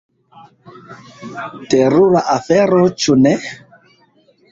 Terura afero, ĉu ne?